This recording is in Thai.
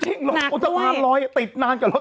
จริงหรอบนสะพานร้อยติดนานกว่ารถ